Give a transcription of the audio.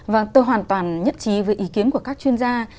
vâng tôi hoàn toàn nhất trí với ý kiến của các chuyên gia